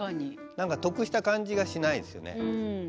なんか得した感じがしないですよね。